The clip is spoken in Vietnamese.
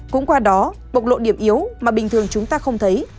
cũng qua đó bộc lộ điểm yếu mà bình thường chúng ta không thấy